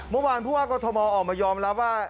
เมื่อวานผู้ว่ากรทมออกมายอมรับว่า